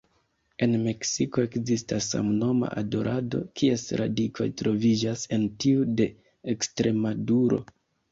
En Meksiko ekzistas samnoma adorado, kies radikoj troviĝas en tiu de Ekstremaduro.